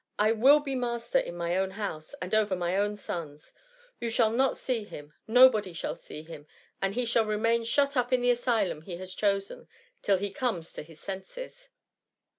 I will be master in my own house, and over my own sons: you shall not see him, nobody •hall see him ; and he shall remain shut up in the asylum he has chosen, till he comes to his senses.